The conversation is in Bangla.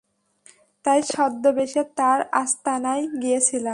তাই ছদ্মবেশে তার আস্তানায় গিয়েছিলাম।